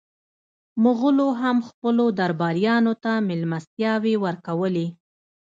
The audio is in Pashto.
مغولو هم خپلو درباریانو ته مېلمستیاوې ورکولې.